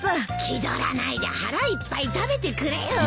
気取らないで腹いっぱい食べてくれよ。